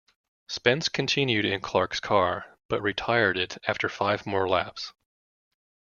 Spence continued in Clark's car, but retired it after five more laps.